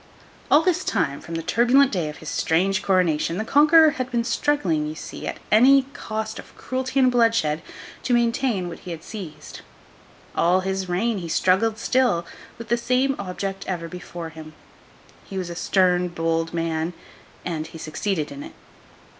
All this time, from the turbulent day of his strange coronation, the Conqueror had been struggling, you see, at any cost of cruelty and bloodshed, to maintain what he had seized. All his reign, he struggled still, with the same object ever before him. He was a stern, bold man, and he succeeded in it.